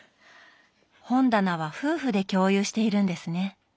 本棚は夫婦で共有しているんですね。